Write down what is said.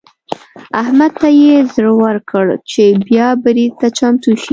احمد ته يې زړه ورکړ چې بيا برید ته چمتو شي.